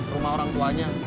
rumah orang tuanya